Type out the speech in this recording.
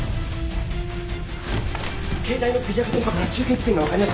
携帯の微弱電波から中継地点が分かりました。